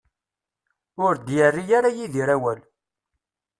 Ur d-yerri ara Yidir awal.